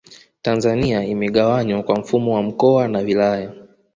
Tanzania imegawanywa kwa mfumo wa mkoa na wilaya